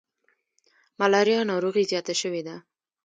ملاریا ناروغي زیاته شوي ده.